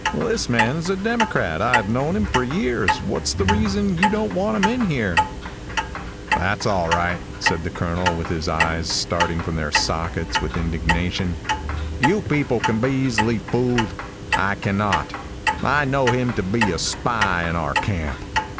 "This man is a Democrat. I've known him for years. What's the reason you don't want him in here?" "That's all right," said the Colonel, with his eyes starting from their sockets with indignation, "you people can be easily fooled. I cannot. I know him to be a spy in our camp.